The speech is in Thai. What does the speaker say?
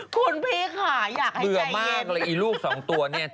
คุณพีชค่ะอยากให้ใจเย็นเบื่อมากเลยอีลูกสองตัวนี่